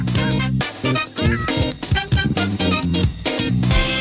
คุณแม่ไปสัมภาษณ์คือแม่ไม่ได้เป็นตอบแม่ไง